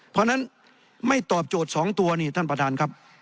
เพราะฉะนั้นไม่ตอบโจทย์๒ตัวนี่ท่านประธานครับ